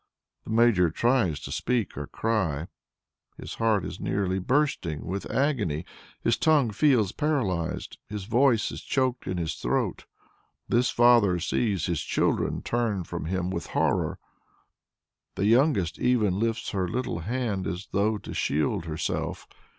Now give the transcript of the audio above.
The Major tries to speak or cry. His heart is nearly bursting with agony; his tongue feels paralysed; his voice is choked in his throat. This father sees his children turn from him with horror. The youngest even lifts her little hand as though to shield herself.